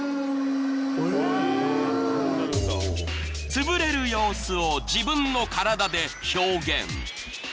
［つぶれる様子を自分の体で表現］